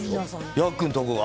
ヤックンのとこが？